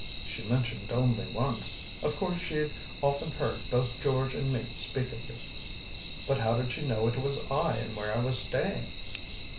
"She mentioned only once. Of course she'd often heard both George and me speak of you." "But how did she know it was I and where I was staying?"